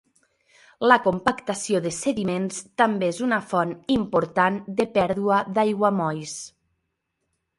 La compactació de sediments també és una font important de pèrdua d'aiguamolls.